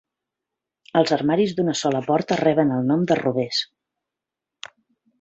Els armaris d'una sola porta reben el nom de robers.